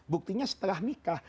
buktinya setelah nikah